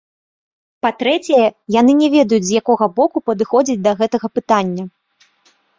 Па-трэцяе, яны не ведаюць з якога боку падыходзіць да гэтага пытання.